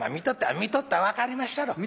見とったら分かりまっしゃろ。